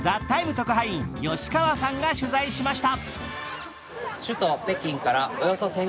特派員、吉川さんが取材しました。